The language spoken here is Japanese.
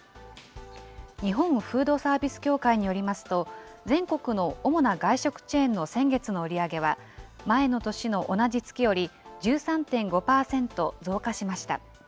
日本フードサービス協会によりますと、全国の主な外食チェーンの先月の売り上げは、前の年の同じ月より１３．５％増加しました。